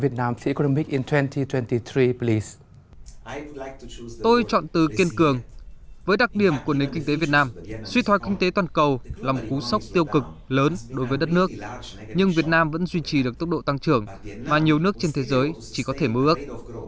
tôi chọn từ kiên cường với đặc điểm của nền kinh tế việt nam suy thoái kinh tế toàn cầu là một cú sốc tiêu cực lớn đối với đất nước nhưng việt nam vẫn duy trì được tốc độ tăng trưởng mà nhiều nước trên thế giới chỉ có thể mơ ước